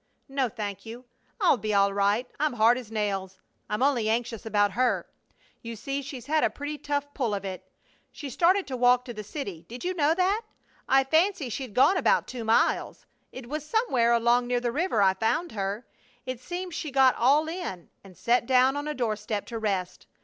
"No, thank you. I'll be all right. I'm hard as nails. I'm only anxious about her. You see, she's had a pretty tough pull of it. She started to walk to the city! Did you know that? I fancy she'd gone about two miles. It was somewhere along near the river I found her. It seems she got "all in" and sat down on a door step to rest.